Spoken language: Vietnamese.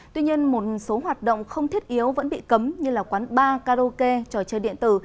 tuy nhiên một số hoạt động không thiết yếu vẫn bị cấm như quán bar karaoke trò chơi điện tử